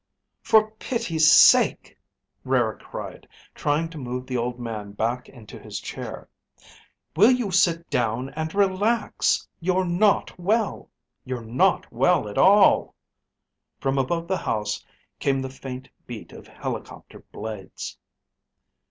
"For pity's sake," Rara cried, trying to move the old man back into his chair, "will you sit down and relax! You're not well! You're not well at all!" From above the house came the faint beat of helicopter blades.